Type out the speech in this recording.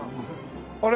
あれ。